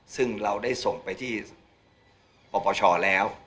ซึ่งเราได้ส่งไปที่ปปชแล้ว